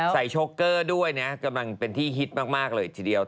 โชคเกอร์ด้วยนะกำลังเป็นที่ฮิตมากเลยทีเดียว